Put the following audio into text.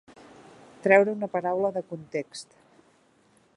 Treure una paraula del context.